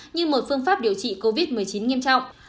như một phương pháp điều trị covid một mươi chín nghiêm trọng